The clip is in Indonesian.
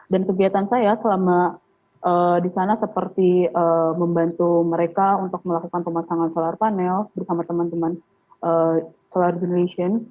dan kegiatan saya selama di sana seperti membantu mereka untuk melakukan pemasangan solar panel bersama teman teman solar generation